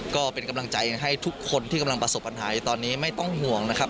ก็เป็นกำลังใจให้ทุกคนที่กำลังประสบปัญหาอยู่ตอนนี้ไม่ต้องห่วงนะครับ